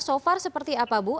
so far seperti apa bu